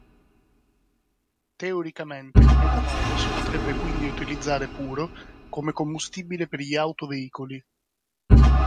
Teoricamente il metanolo si potrebbe quindi utilizzare puro come combustibile per gli autoveicoli.